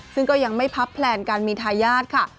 ซึ่งก็ยังไม่พับแพลนการมีทายาทค่ะ